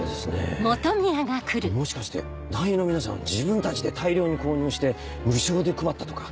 あっもしかして団員の皆さん自分たちで大量に購入して無償で配ったとか？